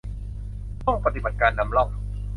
ห้องปฏิบัติการนำร่อง